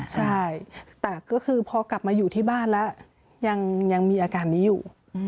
ใช่แต่ก็คือพอกลับมาอยู่ที่บ้านแล้วยังมีอาการนี้อยู่